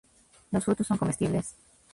Los frutos son comestibles.